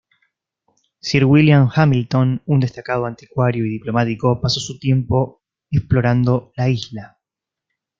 Sir William Hamilton, un destacado anticuario y diplomático, pasó su tiempo explorando la isla.